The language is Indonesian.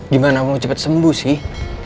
gimana mau cepat sembuh sih